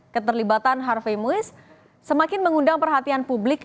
keterlibatan harvey muiz semakin mengundang perhatian publik